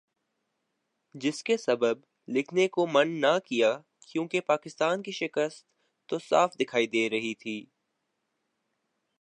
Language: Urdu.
جس کے سبب لکھنے کو من نہ کیا کیونکہ پاکستان کی شکست تو صاف دکھائی دے رہی تھی ۔